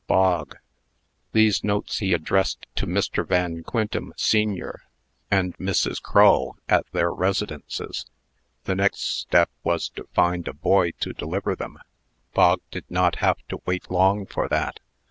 BOG. These notes he addressed to Mr. Van Quintem, sen., and Mrs. Crull, at their residences. The next step was to find a boy to deliver them. Bog did not have to wait long for that.